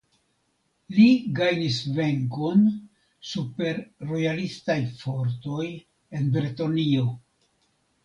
Li gajnis venkon super rojalistaj fortoj en Bretonio.